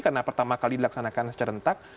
karena pertama kali dilaksanakan secara rentak